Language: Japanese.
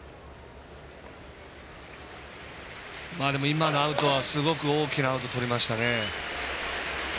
今のアウトはすごく大きなアウトをとりました。